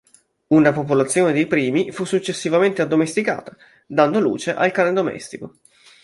Una popolazione dei primi fu successivamente addomesticata, dando luce al cane domestico.